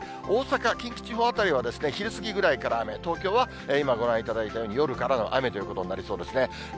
大阪、近畿地方辺りは、昼過ぎぐらいから雨、東京は今ご覧いただいたように、夜から雨ということになりそうですね。